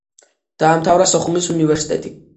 დაამთავრა სოხუმის უნივერსიტეტი.